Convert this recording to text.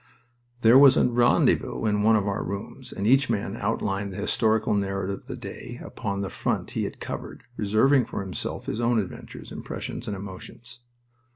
There was a rendezvous in one of our rooms, and each man outlined the historical narrative of the day upon the front he had covered, reserving for himself his own adventures, impressions, and emotions.